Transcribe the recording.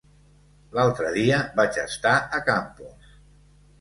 L'altre dia vaig estar a Campos.